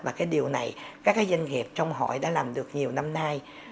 và cái điều này các doanh nghiệp trong hội đã làm được nhiều năm nay